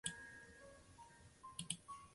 她童年于伦敦北部哈林盖成长。